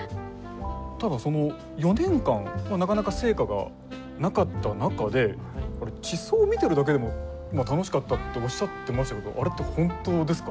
ただその４年間はなかなか成果がなかった中で地層を見てるだけでも楽しかったっておっしゃってましたけどあれって本当ですか？